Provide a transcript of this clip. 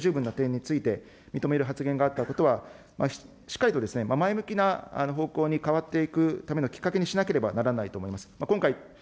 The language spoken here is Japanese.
今回、総理ご自身から、自衛隊の継戦能力、整備の稼働率の不十分な点について認める発言があったことは、しっかりと前向きな方向に変わっていくためのきっかけにしなければならないと思います。